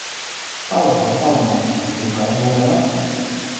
兜口兜面同你講咗㗎啦